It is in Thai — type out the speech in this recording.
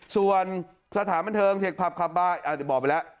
ส่วนสถานบันเทิงเทคพับคับบ้านอ่าบอกไปแล้ว